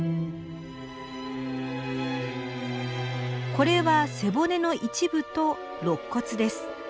これは背骨の一部とろっ骨です。